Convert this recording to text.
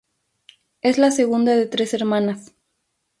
Es la segunda de tres hermanas.